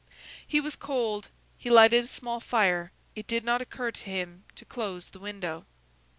He was cold; he lighted a small fire; it did not occur to him to close the window.